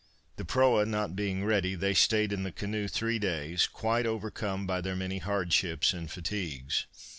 The proa not being ready they stayed in the canoe three days, quite overcome by their many hardships and fatigues.